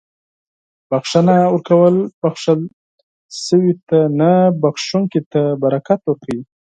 • بښنه ورکول بښل شوي ته نه، بښونکي ته برکت ورکوي.